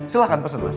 silahkan pesen mas